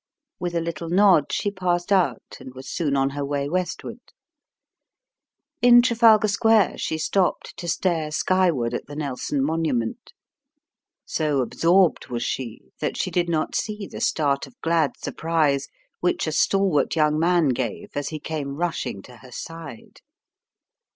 With a little nod she passed out and was soon on her way westward. In Trafalgar Square she stopped to stare skyward at the Nelson monument. So absorbed was she that she did not see the start of glad surprise which a stalwart young man gave as he came rushing to her side.